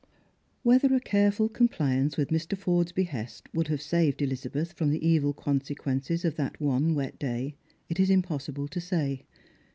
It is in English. "WiTETnEK a careful compliance with Mr. Forde's behest would have saved Elizabeth from the evil consequences of that one wet day, it is impossible to say.